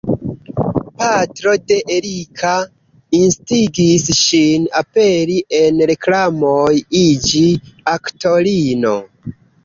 Patro de Erika instigis ŝin aperi en reklamoj, iĝi aktorino.